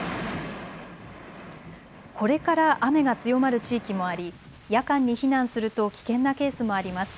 これから雨が強まる地域もあり夜間に避難すると危険なケースもあります。